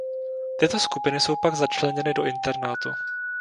Tyto skupiny jsou pak začleněny do internátu.